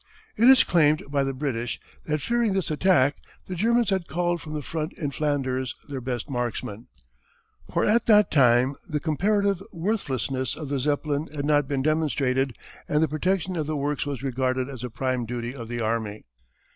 It is claimed by the British that fearing this attack the Germans had called from the front in Flanders their best marksmen, for at that time the comparative worthlessness of the Zeppelin had not been demonstrated and the protection of the works was regarded as a prime duty of the army.